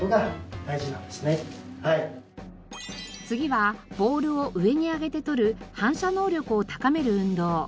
次はボールを上に上げて取る反射能力を高める運動。